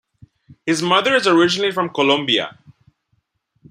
His mother is originally from Colombia.